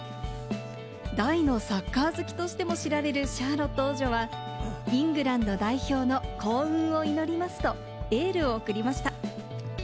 大のサッカー好きとしても知られるシャーロット王女は、イングランド代表の幸運を祈りますと、エールを送りました。